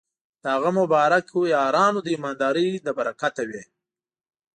د هغه مبارک یارانو د ایماندارۍ له برکته وې.